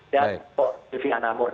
dan pak divi anamur